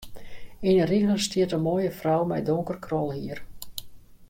Yn de rige stiet in moaie frou mei donker krolhier.